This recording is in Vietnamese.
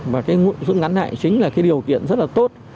và cái rút ngắn lại chính là cái điều kiện rất là tốt